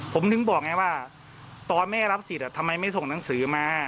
ผมถึงบอกไงว่าตอนแม่รับสิทธิ์ทำไมไม่ส่งหนังสือมา